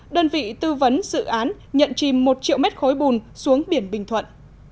đơn vị tư vấn dự án nhận chìm một triệu mét khối bùn xuống biển bình thuận